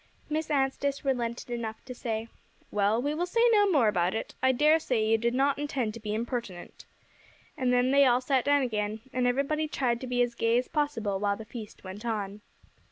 Miss Anstice relented enough to say, "Well, we will say no more about it; I dare say you did not intend to be impertinent." And then they all sat down again, and everybody tried to be as gay as possible while the feast went on.